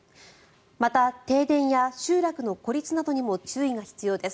また停電や集落の孤立などにも注意が必要です。